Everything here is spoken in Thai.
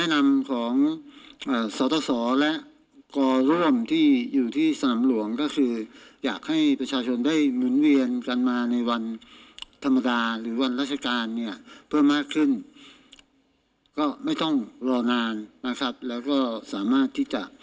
นั่งจุศิษฐ์มหาประสาท